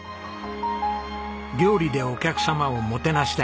料理でお客様をもてなしたい。